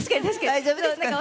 大丈夫ですか。